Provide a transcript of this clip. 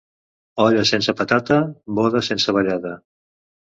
Olla sense patata, boda sense ballada.